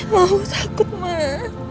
mau takut mah